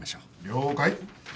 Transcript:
了解。